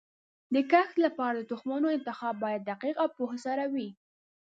د کښت لپاره د تخمونو انتخاب باید دقیق او پوهه سره وي.